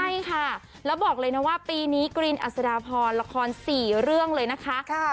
ใช่ค่ะแล้วบอกเลยนะว่าปีนี้กรีนอัศดาพรละคร๔เรื่องเลยนะคะ